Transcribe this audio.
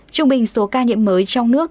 trung bình số ca nhiễm mới trong nước